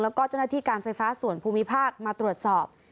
แล้วก็เจ้าหน้าที่การไฟฟ้าส่วนภูมิภาคมาตรวจสอบ